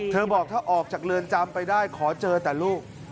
บอกถ้าออกจากเรือนจำไปได้ขอเจอแต่ลูก